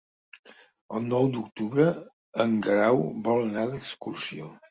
El nou d'octubre en Guerau vol anar d'excursió.